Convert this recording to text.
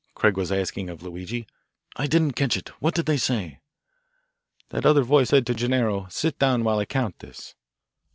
Craig was asking of Luigi. "I didn't catch it. What did they say?" "That other voice said to Gennaro, 'Sit down while I count this.'"